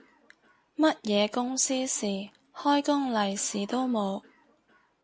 乜嘢公司事，開工利是都冇